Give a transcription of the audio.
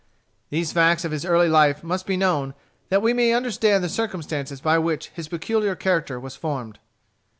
These facts of his early life must be known, that we may understand the circumstances by which his peculiar character was formed.